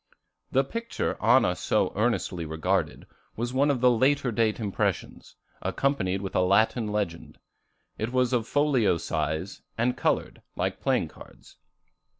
The picture Anna so earnestly regarded, was one of the later date impressions, accompanied with a Latin legend. It was of folio size, and colored, like playing cards.